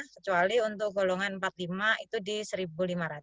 kecuali untuk golongan empat puluh lima itu di rp satu lima ratus